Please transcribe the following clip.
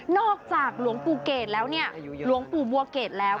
จากหลวงปู่เกรดแล้วเนี่ยหลวงปู่บัวเกดแล้ว